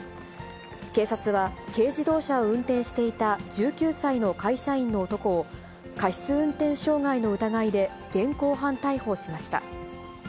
警察は、軽自動車を運転していた１９歳の会社員の男を、過失運転傷害の疑いで現行犯逮捕しました。